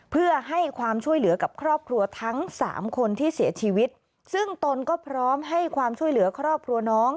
เพื่อให้ความช่วยเหลือกับครอบครัวทั้งสามคนที่เสียชีวิตซึ่งตนก็พร้อมให้ความช่วยเหลือครอบครัวน้อง